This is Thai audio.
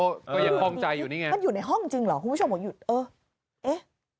ก็ยังคล่องใจอยู่นี่ไงมันอยู่ในห้องจริงเหรอคุณผู้ชมผมหยุดเออเอ๊ะ